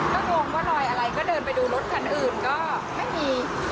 ก็งงว่ารอยอะไรก็เดินไปดูรถคันอื่นก็ไม่มี